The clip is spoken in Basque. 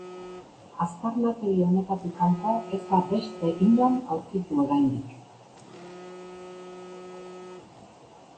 Aztarnategi honetatik kanpo ez da beste inon aurkitu oraindik.